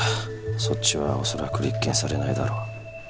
そっちはおそらく立件されないだろう